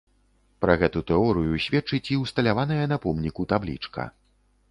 Пра гэту тэорыю сведчыць і ўсталяваная на помніку таблічка.